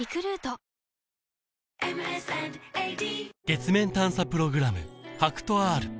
月面探査プログラム